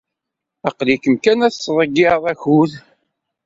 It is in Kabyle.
Aql-ikem kan la tettḍeyyiɛed akud.